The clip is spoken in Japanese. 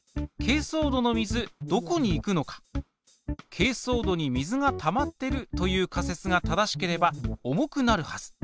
けいそう土に水がたまってるという仮説が正しければ重くなるはず。